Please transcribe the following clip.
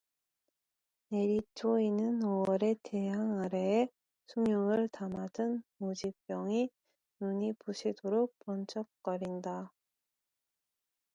내리쪼이는 오월의 태양 아래에 숭늉을 담아 든 오지병이 눈이 부시도록 번쩍거린다.